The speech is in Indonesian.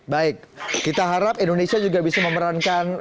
baik kita harap indonesia juga bisa memerankan